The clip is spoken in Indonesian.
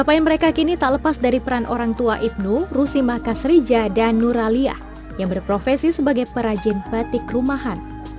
gapaian mereka kini tak lepas dari peran orang tua ibnu rusimah kasrija dan nuraliah yang berprofesi sebagai perajin batik rumahan